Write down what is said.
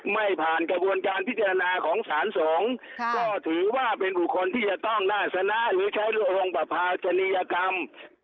ไม่ผ่านกระบวนการพิจารณาของสารสงฆ์ก็ถือว่าเป็นบุคคลที่จะต้องน่าสนะหรือใช้องค์ประพาชนียกรรม